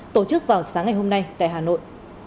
tổ chức vào sáng ngày hôm nay tại hà nội